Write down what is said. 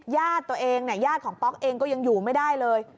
ญาติตัวเองเนี่ยญาติของป๊อกเองก็ยังอยู่ไม่ได้เลย